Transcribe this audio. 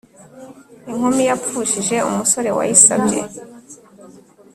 inkumi yapfushije umusore wayisabye,